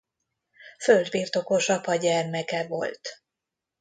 Földbirtokos apa gyermeke volt.